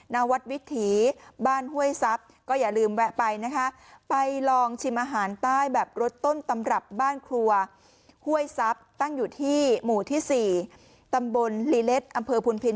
ของที่นี่เนี่ยเขาเน้นเรื่องของสินค้าโอทอป